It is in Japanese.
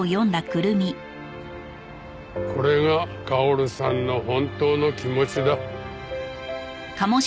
これが薫さんの本当の気持ちだ。